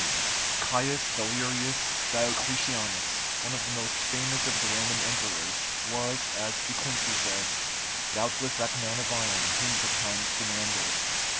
[TN]] Caius Valerius Diocletianus, one of the most famous of the Roman emperors, was, as De Quincey says, "doubtless that man of iron whom the times demanded."